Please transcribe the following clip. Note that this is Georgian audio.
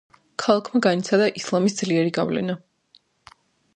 ქალაქმა განიცადა ისლამის ძლიერი გავლენა.